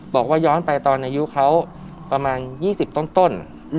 บอกว่าย้อนไปตอนอายุเขาประมาณ๒๐ต้น